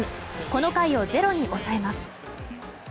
この回を０に抑えます。